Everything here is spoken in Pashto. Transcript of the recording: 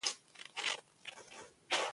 ازادي راډیو د روغتیا د مثبتو اړخونو یادونه کړې.